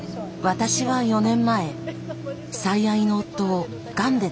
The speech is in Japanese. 私は４年前最愛の夫をがんで亡くしました。